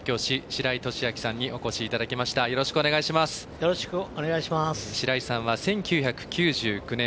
白井さんは１９９９年